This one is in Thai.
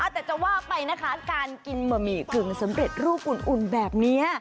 แต่จะว่าไปนะคะการกินบะหมี่กึ่งสำเร็จรูปอุ่นแบบนี้